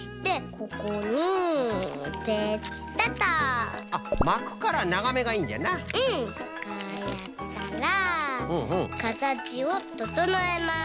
こうやったらかたちをととのえます。